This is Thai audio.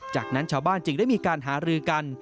จากนั้นชาวบ้านจึงได้มีการหารือกัน